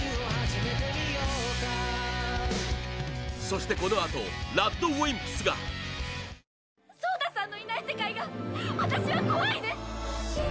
そして、このあとＲＡＤＷＩＭＰＳが鈴芽：草太さんのいない世界が私は怖いです。